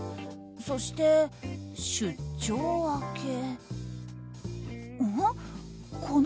そして「出張明け」。